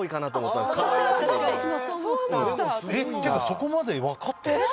そこまで分かってる？